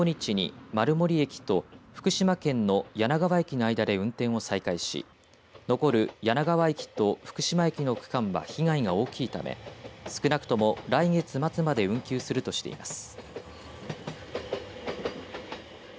阿武隈急行は今月２５日に丸森駅と福島県の梁川駅の間で運転を再開し残る梁川駅と福島駅の区間は被害が大きいため少なくとも来月末まで運休するとしています。